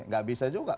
nggak bisa juga